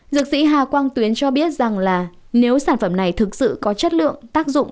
dược sĩ hà quang tuyến cho biết rằng là nếu sản phẩm này thực sự có chất lượng tác dụng